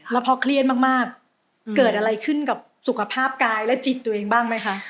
แล้วพอเครียดมากเกิดอะไรขึ้นกับสุขภาพกายและจิตตัวเองบ้างไหมคะ